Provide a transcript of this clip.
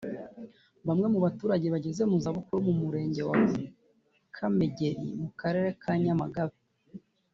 Bamwe mu baturage bageze mu zabukuru mu Murenge wa Kamegeri mu Karere ka Nyamagabe